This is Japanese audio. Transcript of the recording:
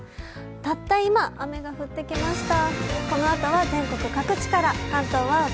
たった今、雨が降ってきました。